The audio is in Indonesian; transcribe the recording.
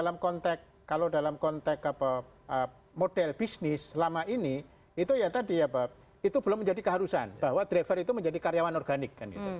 tapi kalau dalam konteks model bisnis selama ini itu belum menjadi keharusan bahwa driver itu menjadi karyawan organik